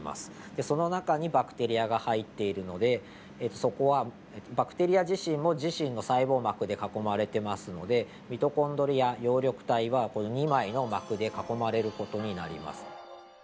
でその中にバクテリアが入っているのでそこはバクテリア自身も自身の細胞膜で囲まれてますのでミトコンドリア葉緑体は２枚の膜で囲まれる事になります。